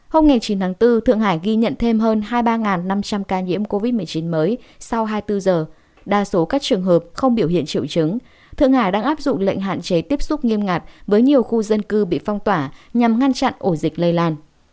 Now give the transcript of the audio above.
hôm chín tháng bốn thượng hải ghi nhận thêm hơn hai mươi ba năm trăm linh ca nhiễm covid một mươi chín mới sau hai mươi bốn giờ đa số các trường hợp không biểu hiện triệu chứng thượng hải đang áp dụng lệnh hạn chế tiếp xúc nghiêm ngặt với nhiều khu dân cư bị phong tỏa nhằm ngăn chặn ổ dịch lây lan